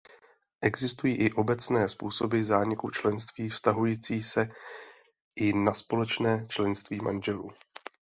Existují i obecné způsoby zániku členství vztahující se i na společné členství manželů.